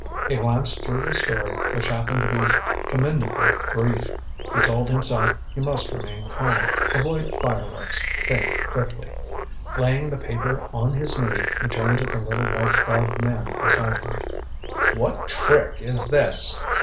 He glanced through the story, which happened to be commendably brief. He told himself he must remain calm, avoid fireworks, think quickly. Laying the paper on his knee, he turned to the little white garbed man beside him. "What trick is this?"